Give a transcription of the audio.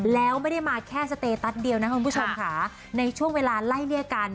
แล้วไม่ได้มาแค่สเตตัสเดียวนะคุณผู้ชมค่ะในช่วงเวลาไล่เลี่ยกัน